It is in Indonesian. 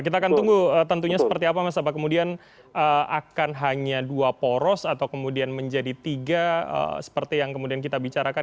kita akan tunggu tentunya seperti apa mas apa kemudian akan hanya dua poros atau kemudian menjadi tiga seperti yang kemudian kita bicarakan